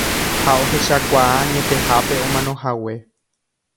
Ha ohechakuaa añetehápe omanohague.